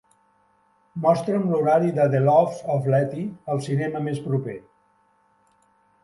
mostra'm l'horari de The Loves of Letty al cinema més proper